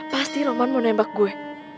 pasti roman mau nembak gue